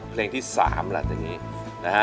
เพลงที่๓หลังจากนี้นะฮะ